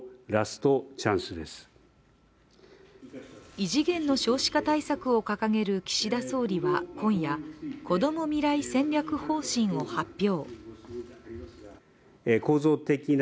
異次元の少子化対策を掲げる岸田総理は今夜こども未来戦略方針を発表。